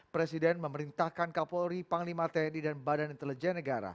presiden memerintahkan kapolri panglima tni dan badan intelijen negara